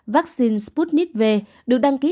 vaccine sputnik v được đăng ký